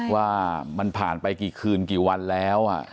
ว่ามันผ่านไปกี่คืนกี่วันแล้ว